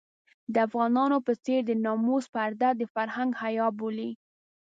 د افغانانو په څېر د ناموس پرده د فرهنګ حيا بولي.